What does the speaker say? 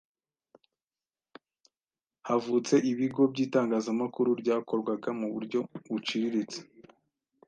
Havutse ibigo by’itangazamakuru, ryakorwaga mu buryo buciriritse,